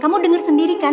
kamu denger sendiri kan